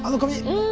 うん。